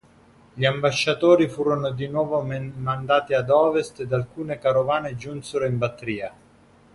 Gli ambasciatori furono di nuovo mandati ad ovest, ed alcune carovane giunsero in Battria.